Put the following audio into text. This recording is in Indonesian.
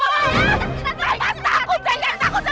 mah mah udah mah